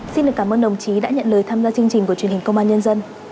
xin được cảm ơn đồng chí đã nhận lời tham gia chương trình của truyền hình công an nhân dân